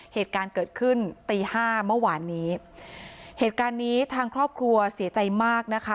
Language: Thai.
เหตุการณ์เกิดขึ้นตีห้าเมื่อวานนี้เหตุการณ์นี้ทางครอบครัวเสียใจมากนะคะ